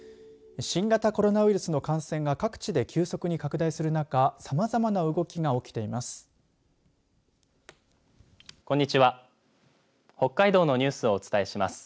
新型コロナウイルスの感染が各地で急速に拡大する中さまざまな動きが起きています。